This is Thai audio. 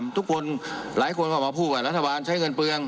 ทุกคนหลายคนเข้ามาพูดกับรัฐบาลใช้เงินเปลือง